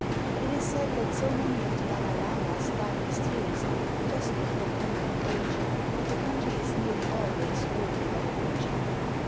It is said that so many of the Dalai Lamas die mysteriously just before coming of age, that the country is nearly always ruled by a regent.